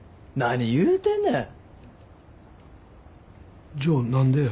何言うてんねん。